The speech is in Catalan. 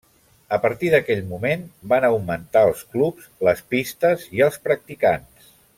A partir d'aquell moment van augmentar els clubs, les pistes, i els practicants.